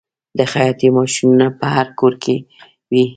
د خیاطۍ ماشینونه په هر کور کې وي